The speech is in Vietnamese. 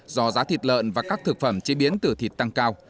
do giá thịt lợn và các thực phẩm chế biến từ thịt tăng cao